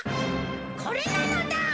これなのだ！